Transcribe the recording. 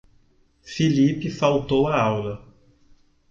Filipe faltou a aula.